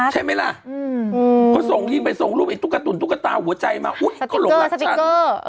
ใช่ไหมล่ะเขาส่งยิ้มไปส่งรูปไอ้ตุ๊กตุ๋นตุ๊กตาหัวใจมาอุ๊ยก็หลงรักฉัน